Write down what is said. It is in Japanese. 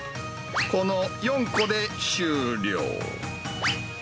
この４個で終了。